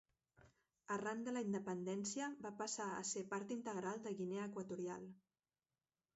Arran de la independència va passar a ser part integral de Guinea Equatorial.